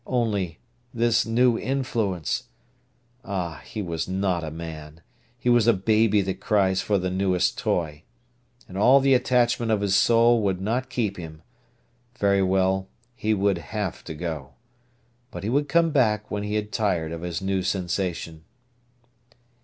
Only, this new influence! Ah, he was not a man! He was a baby that cries for the newest toy. And all the attachment of his soul would not keep him. Very well, he would have to go. But he would come back when he had tired of his new sensation.